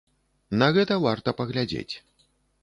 На гэта варта паглядзець.